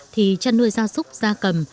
thì chăn nuôi da súc da cầm